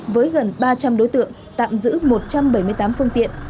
với gần ba trăm linh đối tượng tạm giữ một trăm bảy mươi tám phương tiện